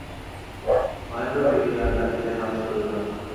মহেন্দ্র ফিরিয়া আর ডাকিতে সাহস করিল না।